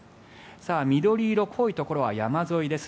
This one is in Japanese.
緑色、濃いところは山沿いです。